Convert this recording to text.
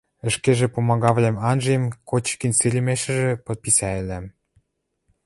ӹшкежӹ пумагавлӓм анжем, Кочикӹн сирӹмешӹжӹ подписӓйӹлӓм